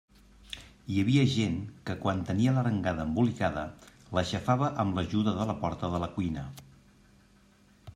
Hi havia gent que, quan tenia l'arengada embolicada, l'aixafava amb l'ajuda de la porta de la cuina.